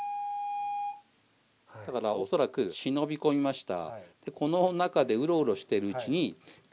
だから恐らく忍び込みました。